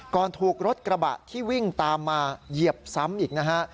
ถูกรถกระบะที่วิ่งตามมาเหยียบซ้ำอีกนะฮะ